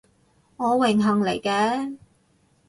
我榮幸嚟嘅